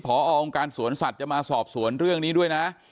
พอองค์การสวนสัตว์จะมาสอบสวนเรื่องนี้ด้วยนะ